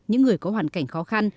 những người có hoàn cảnh khó khăn